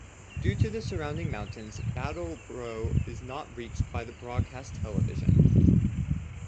Due to the surrounding mountains, Brattleboro is not reached by broadcast television.